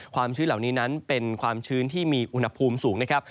ชื้นเหล่านี้นั้นเป็นความชื้นที่มีอุณหภูมิสูงนะครับ